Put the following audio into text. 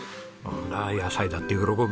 んだ野菜だって喜ぶわ。